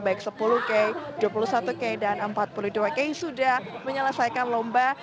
baik sepuluh k dua puluh satu k dan empat puluh dua k sudah menyelesaikan lomba